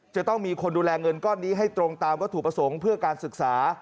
จะต้องมีคนดูแลเงินก้อนนี้ให้ตรงตามวัตถุประสงค์เพื่อการศึกษา